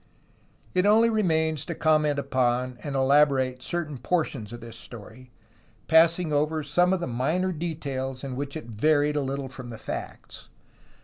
It only remains to conunent upon and elaborate certain portions of this story, passing over some of the minor details in which it varied a little from the facts.